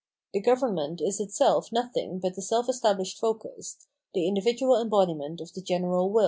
The government is itself nothing but the self established focus, the individual embodiment of the general wiU.